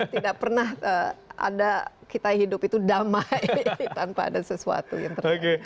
tidak pernah ada kita hidup itu damai tanpa ada sesuatu yang terjadi